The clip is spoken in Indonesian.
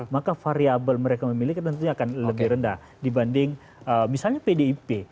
maka variabel mereka memiliki tentunya akan lebih rendah dibanding misalnya pdip